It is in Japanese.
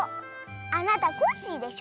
あなたコッシーでしょ。